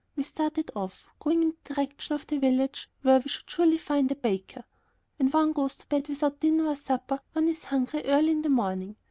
We started off, going in the direction of the village where we should surely find a baker: when one goes to bed without dinner or supper one is hungry early in the morning.